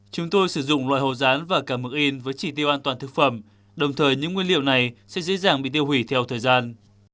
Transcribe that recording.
chúng tôi sử dụng loại hồ rán và cả mực in với chỉ tiêu an toàn thực phẩm đồng thời những nguyên liệu này sẽ dễ dàng bị tiêu hủy theo thời gian